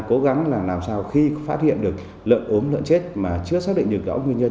cố gắng làm sao khi phát hiện được lợn ốm lợn chết mà chưa xác định được rõ nguyên nhân